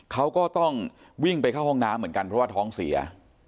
เขาก็ต้องวิ่งเข้าห้องน้ำเพราะว่าท้องเสีย